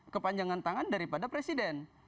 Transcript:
kepanjangan tangan daripada presiden